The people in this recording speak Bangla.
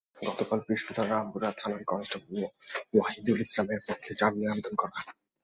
গতকাল বৃহস্পতিবার রামপুরা থানার কনস্টেবল ওয়াহিদুল ইসলামের পক্ষে জামিনের আবেদন করা হয়।